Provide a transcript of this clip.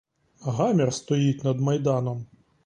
Гамір стоїть над майданом.